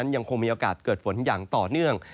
ยังคงมีโอกาสเกิดฝนอย่างต่อเนื่อง